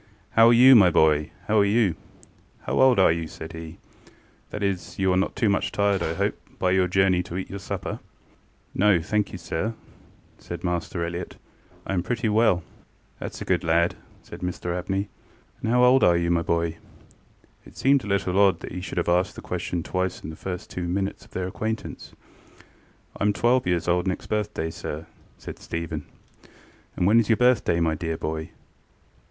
ŌĆ£How are you, my boy? ŌĆöhow are you? How old are you? ŌĆØ said heŌĆöŌĆ£that is, you are not too much tired, I hope, by your journey to eat your supper? ŌĆØ ŌĆ£No, thank you, sir, ŌĆØ said Master Elliott; ŌĆ£I am pretty well. ŌĆØ ŌĆ£ThatŌĆÖs a good lad, ŌĆØ said Mr Abney. ŌĆ£And how old are you, my boy? ŌĆØ It seemed a little odd that he should have asked the question twice in the first two minutes of their acquaintance. ŌĆ£IŌĆÖm twelve years old next birthday, sir, ŌĆØ said Stephen. ŌĆ£And when is your birthday, my dear boy?